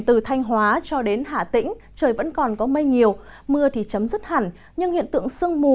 từ thanh hóa cho đến hà tĩnh trời vẫn còn có mây nhiều mưa thì chấm dứt hẳn nhưng hiện tượng sương mù